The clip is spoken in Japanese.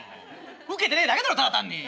ウケてねえだけだろただ単に。